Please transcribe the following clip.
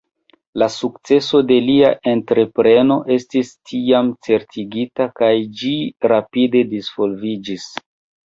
La sukceso de lia entrepreno estis tiam certigita kaj ĝi rapide disvolviĝis.